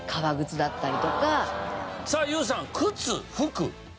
さあＹＯＵさん「くつ服」。